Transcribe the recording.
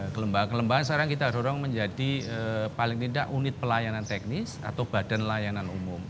kelembagaan kelembagaan sekarang kita dorong menjadi paling tidak unit pelayanan teknis atau badan layanan umum